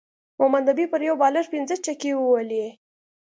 محمد نبی پر یو بالر پنځه چکی ووهلی